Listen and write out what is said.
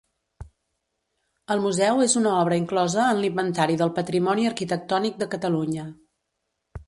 El museu és una obra inclosa en l'Inventari del Patrimoni Arquitectònic de Catalunya.